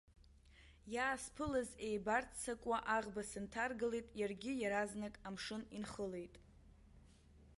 Иаасԥылаз еибарццакуа аӷба сынҭаргалеит, иаргьы иаразнак амшын инхылеит.